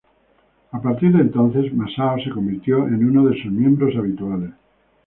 A partir de entonces, Masao se convirtió en uno de sus miembros habituales.